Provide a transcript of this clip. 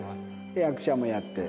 で役者もやって。